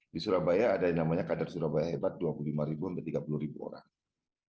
di surabaya ada yang namanya kader surabaya hebat dua puluh lima sampai tiga puluh orang